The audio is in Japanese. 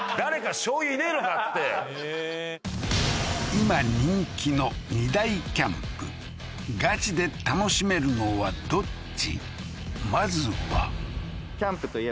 今人気の２大キャンプガチで楽しめるのはどっち？